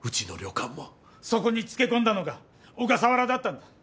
そこにつけこんだのが小笠原だったんだ。